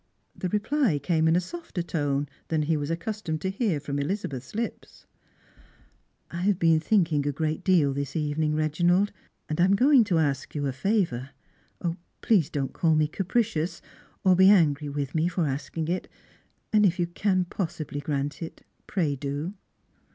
The reply came in a softer tone than he was accustomed to hear from Elizabeth's lips. " I have been thinking a great deal this evening, Reginald and I am going to ask you a favour. Please don't call m' capricious^ or be angry with me for asking it ; and if you car possibly grant it, pray do."